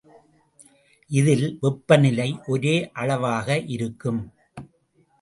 இதில் வெப்பநிலை ஒரே அளவாக இருக்கும்.